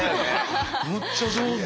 むっちゃ上手。